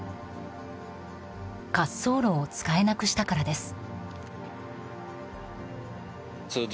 滑走路を使えなくしたからです。